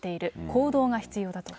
行動が必要だと。